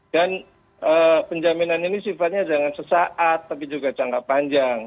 dan penjaminan ini sifatnya jangan sesaat tapi juga jangka panjang